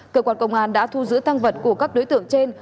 cơ quan công an đã thu giữ tăng vật của các đối tượng trên